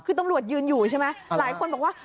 คือตำรวจยืนอยู่ใช่ไหมหลายคนบอกว่า